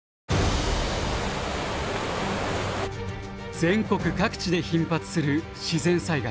全国各地で頻発する自然災害。